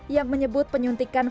yang menyebut penyuntikan vaksinnya